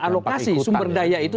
alokasi sumber daya itu